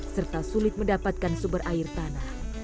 serta sulit mendapatkan sumber air tanah